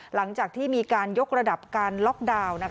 หลังจากที่มีการยกระดับการล็อกดาวน์